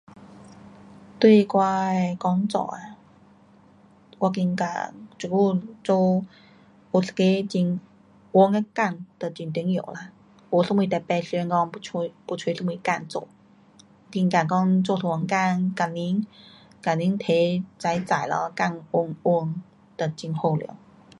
对我的工作啊，我觉得这久做有一个很稳的工哒很重要。没什么特别想说要找要找什么工做。觉得说做一份工，工钱，工钱拿再再咯，工稳稳就很好了。